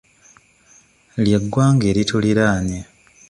Ly'eggwanga erituliraanye.